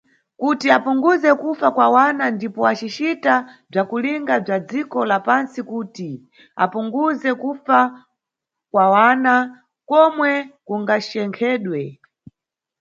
Kuti yapunguze kufa kwa wana ndipo acicita bzakulinga bza dziko la pantsi kuti yapunguze kufa kwana komwe kungachenkhedwe.